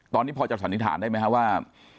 ตอนนี้พอจะสันนิษฐานได้ไหมครับว่า